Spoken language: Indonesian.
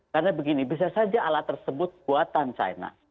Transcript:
karena begini bisa saja alat tersebut buatan china